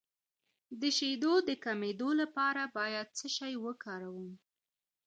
د شیدو د کمیدو لپاره باید څه شی وکاروم؟